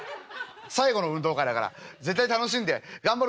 最後の運動会だから絶対楽しんで頑張るんだぞ」。